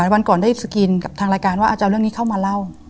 วันก่อนได้สกรีนกับทางรายการว่าจะเอาเรื่องนี้เข้ามาเล่า